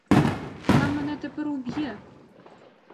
Вона мене тепер уб'є!